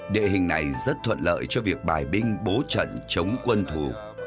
địa hình này rất thuận lợi cho việc bài binh bố trận chống quân thủ